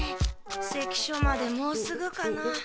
関所までもうすぐかな。